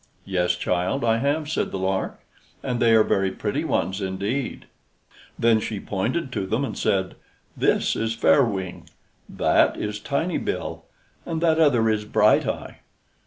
"Yes, child, I have," said the lark; "and they are very pretty ones indeed!" Then she pointed to them, and said, "This is Fair Wing, that is Tiny Bill, and that other is Bright Eye."